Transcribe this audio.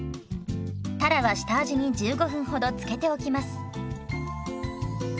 たらは下味に１５分ほど漬けておきます。